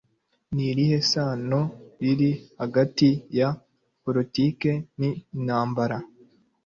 ni irihe sano riri hagati ya politiki n'intambara